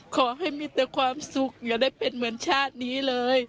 ขอให้มีแต่ความสุขอย่าได้เป็นเหมือนชาตินี้เลย